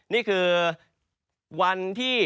นี่คือวันที่